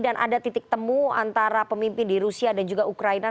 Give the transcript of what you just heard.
dan ada titik temu antara pemimpin di rusia dan juga ukraina